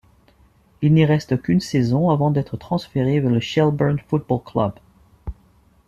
Il n’y reste qu’une saison avant d’être transféré vers le Shelbourne Football Club.